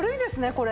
これ。